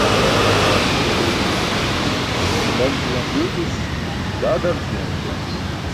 Dan ce yam yuwtis daa dan ce yam juwan.